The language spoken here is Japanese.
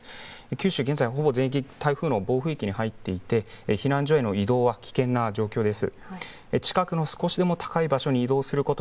九州は現在、暴風域に入っていて避難所への移動が危険な状況です。